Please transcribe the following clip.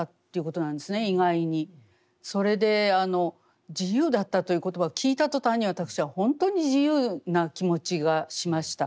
それで「自由だった」という言葉を聞いた途端に私は本当に自由な気持ちがしました。